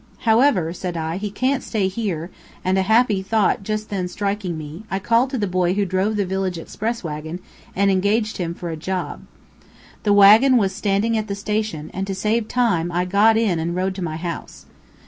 "However," said I, "he can't stay there;" and a happy thought just then striking me, I called to the boy who drove the village express wagon, and engaged him for a job. The wagon was standing at the station, and to save time, I got in and rode to my house.